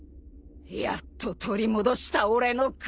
やっと取り戻した俺の体を。